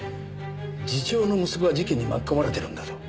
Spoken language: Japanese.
次長の息子が事件に巻き込まれてるんだぞ。